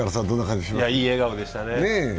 いい笑顔でしたね。